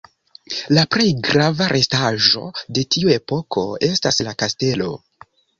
La plej grava restaĵo de tiu epoko estas la kastelo.